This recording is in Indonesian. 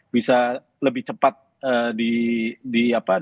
bisa lebih cepat diwujudkan